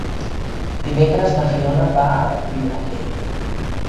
Dimecres na Fiona va a Vilaller.